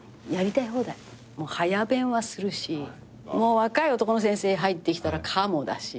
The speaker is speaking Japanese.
早弁はするし若い男の先生入ってきたらかもだしね。